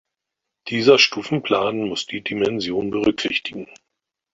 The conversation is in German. Dieser Stufenplan muss die Dimension berücksichtigen.